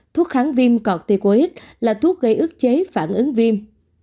thuốc kháng viêm corticoid là thuốc gây ức chế phản ứng viêm